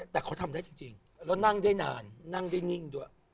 แต่เขาทำได้จริงแล้วนั่งได้นานนั่งได้นิ่งด้วย